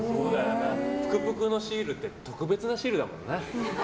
ぷくぷくのシールって特別なシールだもんな。